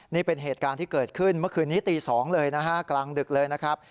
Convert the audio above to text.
นี่เป็นเหตุการณ์ที่เกิดขึ้นเมื่อคืนนี้ตี๒เลยนะฮะกลางดึกเลยนะครับ